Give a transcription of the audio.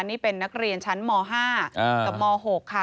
นี่เป็นนักเรียนชั้นม๕กับม๖ค่ะ